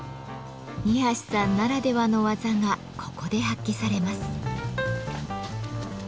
二さんならではの技がここで発揮されます。